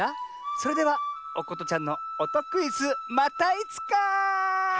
それではおことちゃんのおとクイズまたいつか！